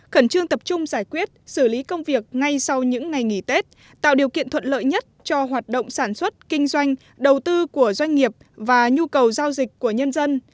khẩn trương tập trung giải quyết xử lý công việc ngay sau những ngày nghỉ tết tạo điều kiện thuận lợi nhất cho hoạt động sản xuất kinh doanh đầu tư của doanh nghiệp và nhu cầu giao dịch của nhân dân